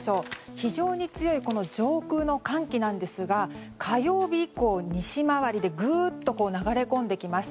非常に強い上空の寒気なんですが火曜日以降、西回りでぐっと流れ込んできます。